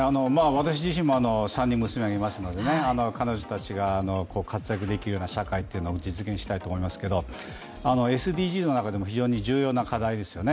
私自身も３人娘がいますので彼女たちが活躍できる社会を実現したいと思いますがＳＤＧｓの中でも非常に重要な課題ですよね。